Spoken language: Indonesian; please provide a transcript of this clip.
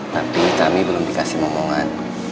tapi kami belum dikasih ngomongan